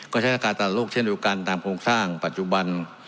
ก็ใช้ราคาตลาดโลกเช่นเดียวกันตามโครงสร้างปัจจุบัน